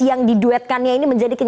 yang diduetkannya ini menjadi